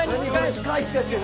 近い近い近い！